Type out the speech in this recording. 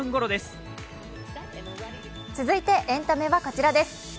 続いてエンタメはこちらです。